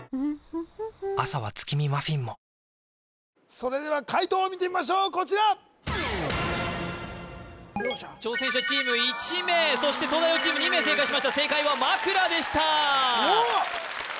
それでは解答を見てみましょうこちら挑戦者チーム１名そして東大王チーム２名正解しました正解は枕でしたおおっ！